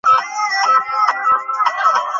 মানিকতলায় বাড়িসুদ্ধ জমি পাওয়া যেতে পারবে।